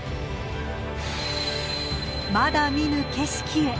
まだ見ぬ景色へ。